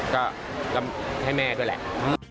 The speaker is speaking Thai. ก็ให้แม่ด้วยแหละ